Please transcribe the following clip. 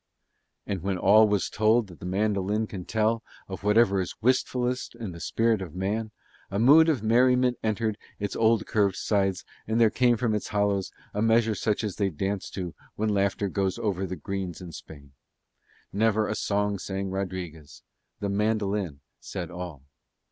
And when all was told that the mandolin can tell of whatever is wistfulest in the spirit of man, a mood of merriment entered its old curved sides and there came from its hollows a measure such as they dance to when laughter goes over the greens in Spain. Never a song sang Rodriguez; the mandolin said all.